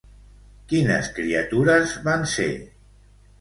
Quines criatures van ser?